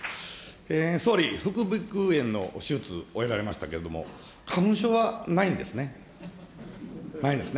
総理、副鼻腔炎の手術、終えられましたけれども、花粉症はないんですね。